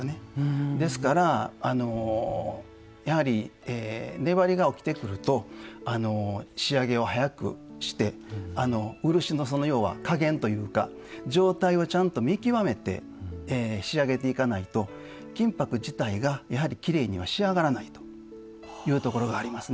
ですからやはり粘りが起きてくると仕上げを早くして漆の要は加減というか状態をちゃんと見極めて仕上げていかないと金箔自体がやはりきれいには仕上がらないというところがありますね。